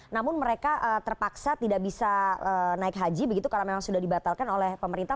namun mereka terpaksa tidak bisa naik haji begitu karena memang sudah dibatalkan oleh pemerintah